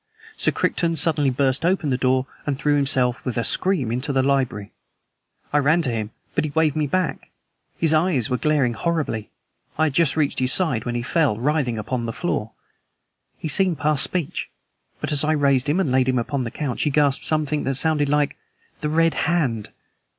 "Sir Crichton suddenly burst open the door and threw himself, with a scream, into the library. I ran to him but he waved me back. His eyes were glaring horribly. I had just reached his side when he fell, writhing, upon the floor. He seemed past speech, but as I raised him and laid him upon the couch, he gasped something that sounded like 'The red hand!'